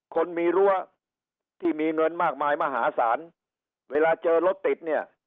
คนมีรั้วที่มีเงินมากมายมหาศาลเวลาเจอรถติดเนี่ย